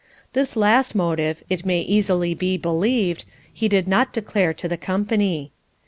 This last motive, it may easily be believed, he did not declare to the company.